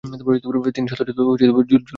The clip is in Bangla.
তিনি শত শত জুলুকে হত্যা করেন।